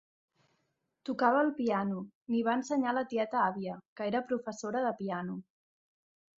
Tocava el piano; n'hi va ensenyar la tieta-àvia, que era professora de piano.